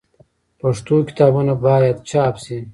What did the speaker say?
پښتو کتابونه باید چاپ سي.